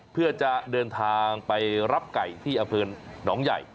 เพื่อจะเดินทางไปรับไก่ที่อำเภอหนองใหญ่